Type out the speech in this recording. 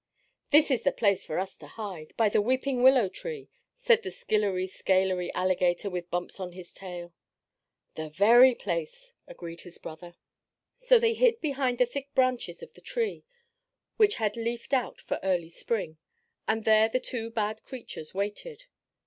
"This is the place for us to hide by the weeping willow tree," said the skillery scalery alligator with bumps on his tail. "The very place," agreed his brother. So they hid behind the thick branches of the tree, which had leafed out for early spring, and there the two bad creatures waited.